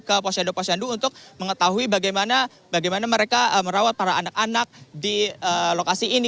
ke posyandu posyandu untuk mengetahui bagaimana mereka merawat para anak anak di lokasi ini